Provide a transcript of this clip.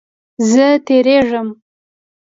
زه تیریږم